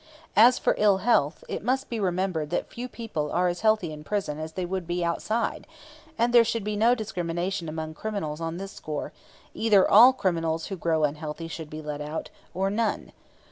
As for ill health, it must be remembered that few people are as healthy in prison as they would be outside; and there should be no discrimination among criminals on this score; either all criminals who grow unhealthy should be let out, or none.